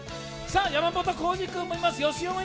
山本浩司君もいます。